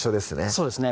そうですね